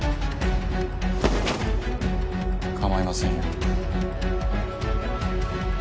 かまいませんよ。